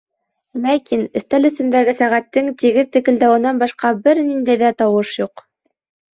Ләкин өҫтәл өҫтөндәге сәғәттең тигеҙ текелдәүенән башҡа бер ниндәй ҙә тауыш юҡ.